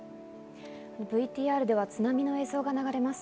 ＶＴＲでは津波の映像が流れます。